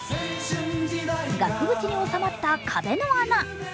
額縁に納まった壁の穴。